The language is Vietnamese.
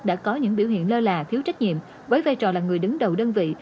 đã có những biểu hiện lơ là thiếu trách nhiệm với vai trò là người đứng đầu đơn vị